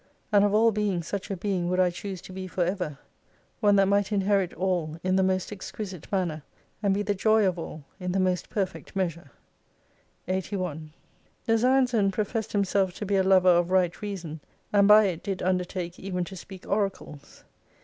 And of all beings such a being would I choose to be for ever : One that might inherit all in the most exquisite manner, and be the joy of all in the most perfect measure. 81 Nazianzen professed himself to be a lover of right reason, and by it did undertake even to speak oracles.